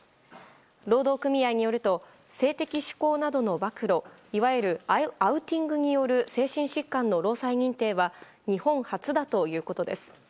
労働組合によると性的指向などの暴露いわゆるアウティングによる精神疾患の労災認定は日本初だということです。